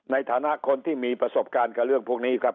ในฐานะคนที่มีประสบการณ์กับเรื่องพวกนี้ครับ